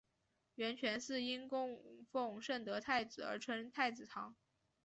圆泉寺因供奉圣德太子而称太子堂。